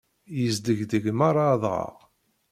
Yesdegdeg merra adɣaɣ.